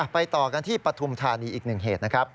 ต่อกันที่ปฐุมธานีอีกหนึ่งเหตุนะครับ